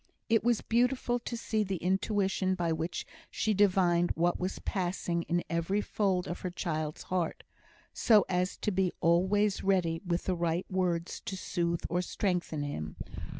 It was beautiful to see the intuition by which she divined what was passing in every fold of her child's heart, so as to be always ready with the right words to soothe or to strengthen him.